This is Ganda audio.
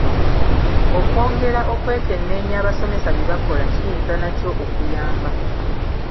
Okwongera okwekenneenya abasomesa bye bakola kiyinza nakyo okuyamba.